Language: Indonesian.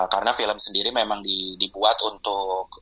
karena film sendiri memang dibuat untuk